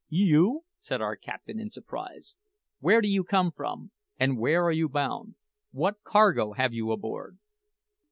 "You!" said our captain in surprise. "Where do you come from, and where are you bound? What cargo have you aboard?"